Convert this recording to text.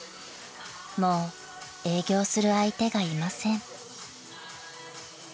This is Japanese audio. ［もう営業する相手がいません］